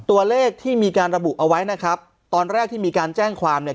ตัวเลขที่มีการระบุเอาไว้นะครับตอนแรกที่มีการแจ้งความเนี่ย